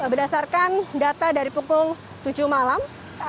berdasarkan data dari pukul tujuh malam